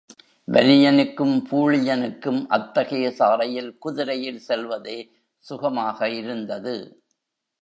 வலியனுக்கும் பூழியனுக்கும் அத்தகைய சாலையில் குதிரையில் செல்வதே சுகமாக இருந்தது.